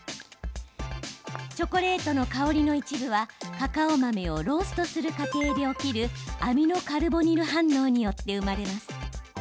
チョコレートの香りの一部はカカオ豆をローストする過程で起きるアミノカルボニル反応によって生まれます。